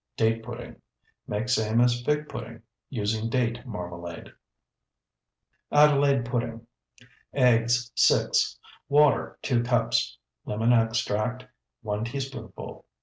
DATE PUDDING Make same as fig pudding, using date marmalade. ADELAIDE PUDDING Eggs, 6. Water, 2 cups. Lemon extract, 1 teaspoonful.